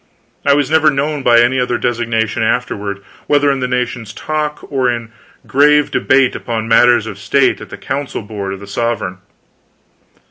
I was never known by any other designation afterward, whether in the nation's talk or in grave debate upon matters of state at the council board of the sovereign.